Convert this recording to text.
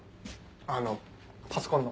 あのパソコンの。